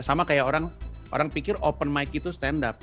sama kayak orang pikir open mic itu stand up